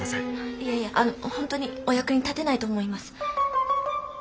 いやいやあの本当にお役に立てないと思います。